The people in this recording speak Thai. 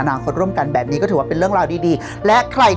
นาคตร่วมกันแบบนี้ก็ถือว่าเป็นเรื่องราวดีดีและใคร